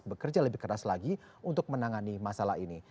bekerja lebih keras lagi untuk menangani masalah ini